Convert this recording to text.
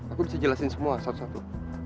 aku bisa jelasin semua satu satu